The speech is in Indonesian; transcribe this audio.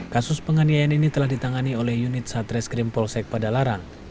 kasus penganiayaan ini telah ditangani oleh unit satreskrim polsek padalarang